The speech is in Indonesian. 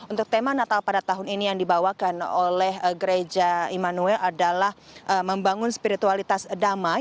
untuk tema natal pada tahun ini yang dibawakan oleh gereja immanuel adalah membangun spiritualitas damai